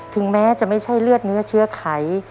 ถึงแม้จะไม่ใช่เลือดเนื้อเชื้อไข